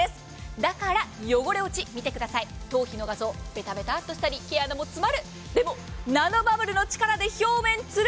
だから汚れ落ち、頭皮の画像、ベタベタっとしたり、毛穴も詰まるでもナノバブルで落ちる。